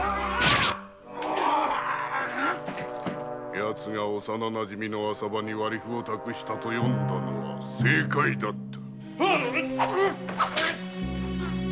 やつが幼なじみの浅葉に割符を託したと読んだのは正解だった。